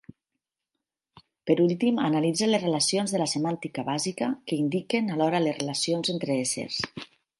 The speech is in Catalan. Per últim analitza les relacions de la semàntica bàsica, que indiquen alhora relacions entre éssers.